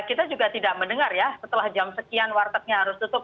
kita juga tidak mendengar ya setelah jam sekian wartegnya harus tutup